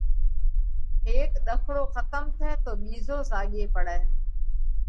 هيڪ ۮکڙو کتم ٿئه تو ٻِيزو زاڳي پڙئه۔